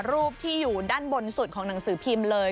รูปที่อยู่ด้านบนสุดของหนังสือพิมพ์เลย